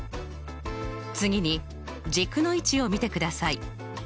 次に軸の位置を見てください。